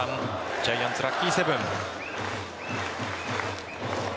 ジャイアンツ、ラッキーセブン。